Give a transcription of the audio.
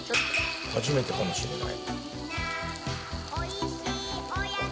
初めてかもしれない。